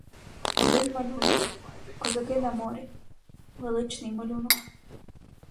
Один малюнок: козаки на морі — величний малюнок.